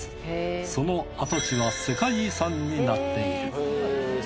その跡地は世界遺産になっている。